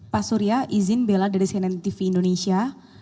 pak surya izin bela dari cnn tv indonesia